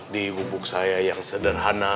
di bubuk saya yang sederhana